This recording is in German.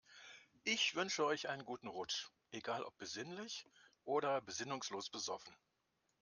Ich wünsche euch einen guten Rutsch, egal ob besinnlich oder besinnungslos besoffen.